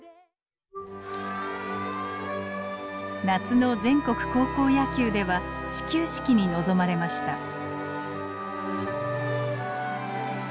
夏の全国高校野球では始球式に臨まれました。